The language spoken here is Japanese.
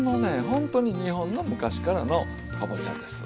ほんとに日本の昔からのかぼちゃです。